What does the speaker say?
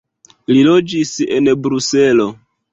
Li loĝis en Bruselo.